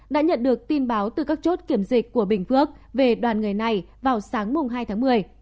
đã nhận được tin báo từ các chốt kiểm dịch của bình phước về đoàn người này vào sáng hai tháng một mươi